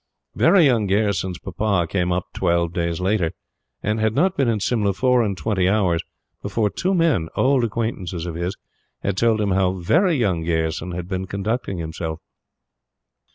"Very Young" Gayerson's papa came up twelve days later, and had not been in Simla four and twenty hours, before two men, old acquaintances of his, had told him how "Very Young" Gayerson had been conducting himself.